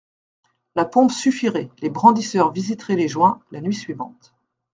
La pompe suffirait, les brandisseurs visiteraient les joints, la nuit suivante.